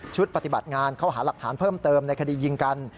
ปฏิบัติงานเข้าหาหลักฐานเพิ่มเติมในคดียิงกัน